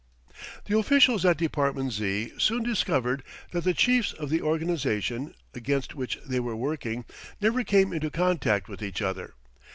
The officials at Department Z. soon discovered that the chiefs of the organisation, against which they were working, never came into contact with each other.